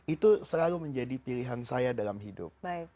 itu selalu menjadi pilihan saya dalam hidup